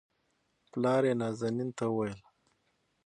پلار يې نازنين ته وويل